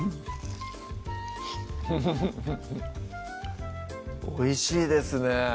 フフフフッおいしいですね